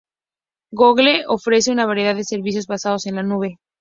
Google ofrece una variedad de servicios basados en la nube.